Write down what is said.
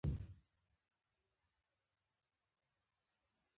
د تخار په اشکمش کې د سرو زرو نښې شته.